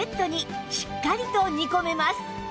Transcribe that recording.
しっかりと煮込めます